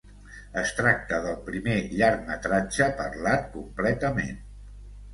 Es tracta del primer llargmetratge parlat completament.